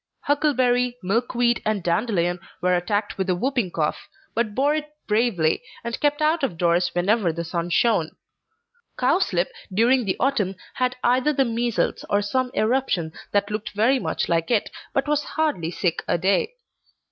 Huckleberry, Milkweed, and Dandelion were attacked with the whooping cough, but bore it bravely, and kept out of doors whenever the sun shone. Cowslip, during the autumn, had either the measles, or some eruption that looked very much like it, but was hardly sick a day.